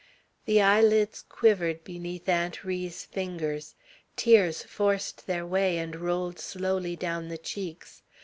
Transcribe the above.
The eyelids quivered beneath Aunt Ri's fingers. Tears forced their way, and rolled slowly down the cheeks.